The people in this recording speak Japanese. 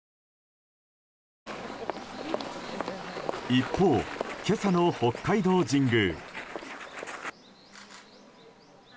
一方、今朝の北海道神宮。